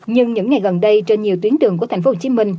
nhưng những ngày gần đây trên nhiều tuyến đường của tp hcm